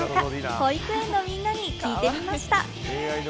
保育園のみんなに聞いてみました。